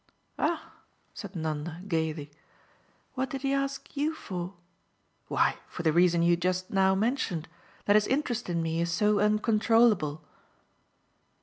"Ah," said Nanda gaily, "what did he ask YOU for?" "Why, for the reason you just now mentioned that his interest in me is so uncontrollable."